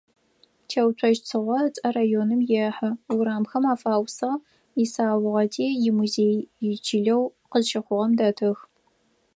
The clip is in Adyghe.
Теуцожь Цыгъо ыцӀэ районым ехьы, урамхэм афаусыгъ, исаугъэти, имузеий ичылэу къызщыхъугъэм дэтых.